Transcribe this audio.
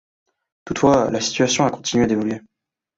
Toutefois la situation a continué d'évoluer.